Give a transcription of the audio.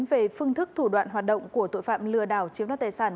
về phương thức thủ đoạn hoạt động của tội phạm lừa đảo chiếm đoạt tài sản